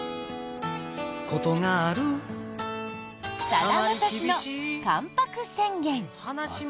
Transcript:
さだまさしの「関白宣言」。